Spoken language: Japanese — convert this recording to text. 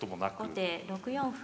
後手６四歩。